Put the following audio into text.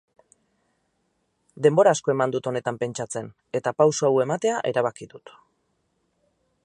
Denbora asko eman dut honetan pentsatzen, eta pauso hau ematea erabaki dut.